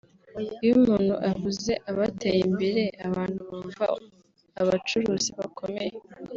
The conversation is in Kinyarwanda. Iyo umuntu avuze abateye imbere abantu bumva abacuruzi bakomeye